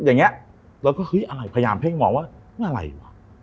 อย่างเงี้ยแล้วก็เฮ้ยอะไรพยายามเพ่งมองว่ามันอะไรหรอ